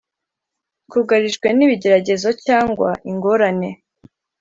twugarijwe n’ibigeragezo cyangwa ingorane